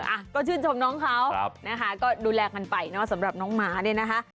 อ่ะก็ชื่นชมน้องเขานะคะก็ดูแลกันไปเนอะสำหรับน้องหมาเนี่ยนะคะ